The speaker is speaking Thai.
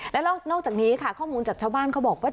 แล้วนอกจากนี้ค่ะข้อมูลจากชาวบ้านเขาบอกว่า